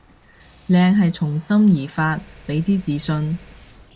靚係從心而發，畀啲自信